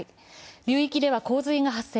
流域では洪水が発生。